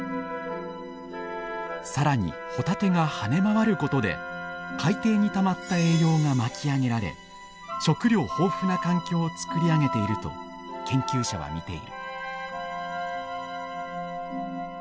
更にホタテが跳ね回ることで海底にたまった栄養が巻き上げられ食糧豊富な環境を作り上げていると研究者は見ている。